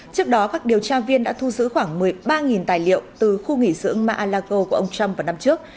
trước đó các điều tra viên đã thu giữ khoảng một mươi ba tài liệu từ khu nghỉ dưỡng ma aalago của ông trump vào năm trước